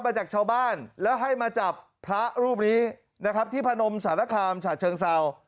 มาจากชาวบ้านแล้วให้มาจับพระรูปนี้ที่พนมสหรัฐคลามชาชเชิงเศร้า